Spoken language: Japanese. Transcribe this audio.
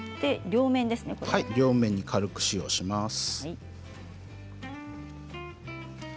両面に軽く塩をします。